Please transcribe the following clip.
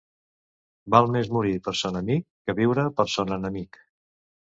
Val més morir per son amic que viure per son enemic.